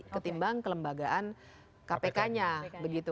ketimbang kelembagaan kpk nya begitu